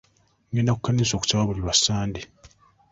Ngenda ku kkanisa okusaba buli lwasande